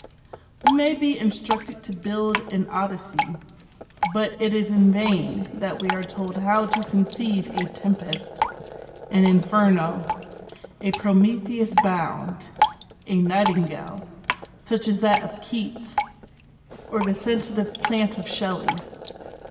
We may be instructed to build an Odyssey, but it is in vain that we are told how to conceive a 'Tempest,' an 'Inferno,' a 'Prometheus Bound,' a 'Nightingale,' such as that of Keats, or the 'Sensitive Plant' of Shelley.